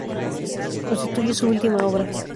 Constituye su última obra.